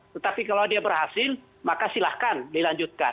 tetapi kalau dia berhasil maka silahkan dilanjutkan